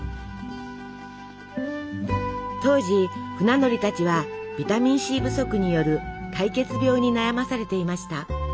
当時船乗りたちはビタミンＣ不足による壊血病に悩まされていました。